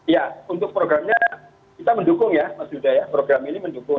ya untuk programnya kita mendukung ya mas yuda ya program ini mendukung